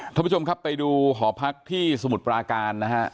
ท่านผู้ชมครับไปดูหอพักที่สมุทรปราการนะฮะ